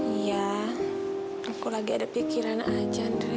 iya aku lagi ada pikiran aja andri